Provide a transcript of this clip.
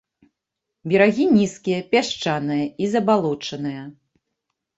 Берагі нізкія, пясчаныя і забалочаныя.